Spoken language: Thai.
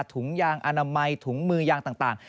ถุงยางอนามัยถุงมือยางต่าง